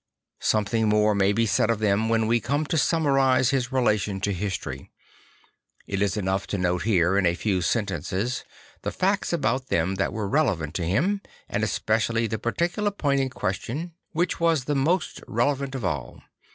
Something more may be said of them \vhen we come to summarise his relation to history; it is enough to note here in a few sentences the facts about them that were relevant to him, and especially the particular point no\v in Question. 74 Le J onglellT de Dieu 75 which was the most relevant of all.